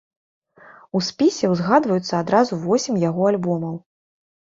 У спісе ўзгадваюцца адразу восем яго альбомаў.